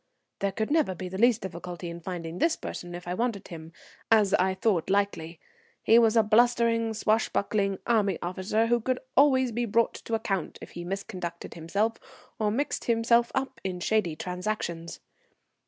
There could never be the least difficulty in finding this person if I wanted him, as I thought likely. He was a blustering, swashbuckling army officer, who could always be brought to account if he misconducted himself, or mixed himself up in shady transactions.